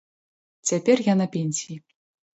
Цяпер я на пенсіі.